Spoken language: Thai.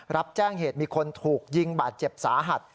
รับแจ้งเหตุมีคนถูกยิงบาดเจ็บสาหัส